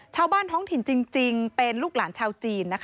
ท้องถิ่นจริงเป็นลูกหลานชาวจีน